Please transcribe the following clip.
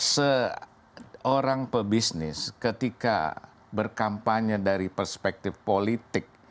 seorang pebisnis ketika berkampanye dari perspektif politik